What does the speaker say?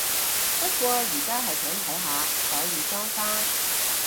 不過而家係想睇下，所以裝返